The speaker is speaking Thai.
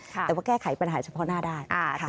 แต่ว่าแก้ไขปัญหาเฉพาะหน้าได้